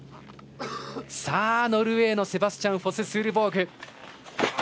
ノルウェーのセバスチャン・フォススールボーグ。